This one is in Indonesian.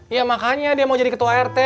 ya makanya dia mau jadi ketua rt